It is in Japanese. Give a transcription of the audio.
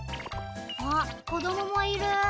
あっこどももいる。